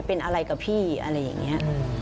เป็นอะไรกับพี่อะไรอย่างนี้